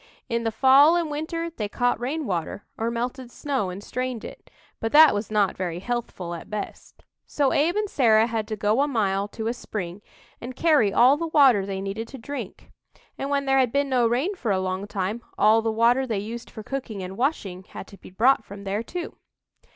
In the fall and winter they caught rainwater or melted snow and strained it, but that was not very healthful at best. So Abe and Sarah had to go a mile to a spring and carry all the water they needed to drink, and, when there had been no rain for a long time, all the water they used for cooking and washing had to be brought from there, too.